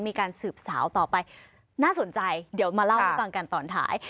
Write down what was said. มีการสืบสาวต่อไปน่าสนใจเดี๋ยวมาเล่าให้ฟังกันตอนท้าย